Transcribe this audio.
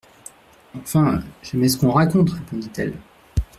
Enfin, jamais ce qu'on raconte, répondit-elle.